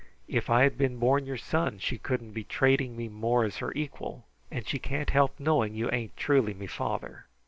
If I had been born your son she couldn't be traiting me more as her equal, and she can't help knowing you ain't truly me father.